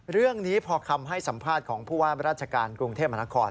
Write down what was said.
เรื่องนี้พอคำให้สัมภาษณ์ของผู้ว่าราชการกรุงเทพมหานคร